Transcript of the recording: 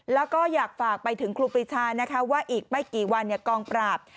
แล้วก็อยากฝากไปถึงครูปรีชานะคะว่าอีกไม่กี่วันกองปราบ